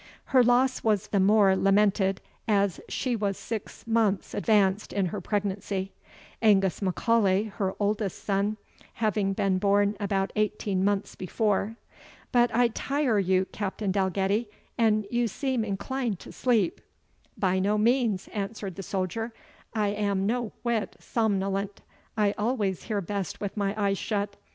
Her loss was the more lamented, as she was six months advanced in her pregnancy; Angus M'Aulay, her eldest son, having been born about eighteen months before. But I tire you, Captain Dalgetty, and you seem inclined to sleep." "By no means," answered the soldier; "I am no whit somnolent; I always hear best with my eyes shut.